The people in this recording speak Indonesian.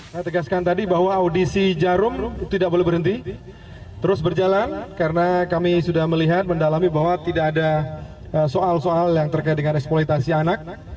saya tegaskan tadi bahwa audisi jarum tidak boleh berhenti terus berjalan karena kami sudah melihat mendalami bahwa tidak ada soal soal yang terkait dengan eksploitasi anak